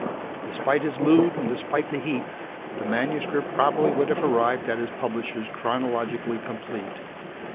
Despite his mood and despite the heat, the manuscript probably would have arrived at his publishers chronologically complete.